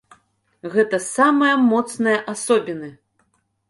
Гэта самыя моцныя асобіны!